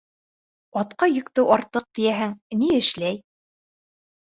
Атҡа йөктө артыҡ тейәһәң ни эшләй?